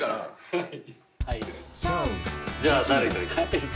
はい。